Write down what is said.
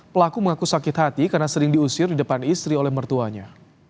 pelaku mengaku sakit hati karena sering diusir di depan istri oleh mertuanya